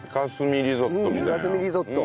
イカスミリゾット。